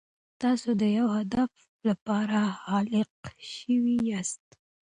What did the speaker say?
تاسو د یو هدف لپاره خلق شوي یاست.